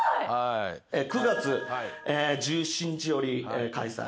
９月１７日より開催